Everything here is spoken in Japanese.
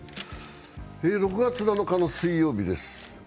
６月７日の水曜日です。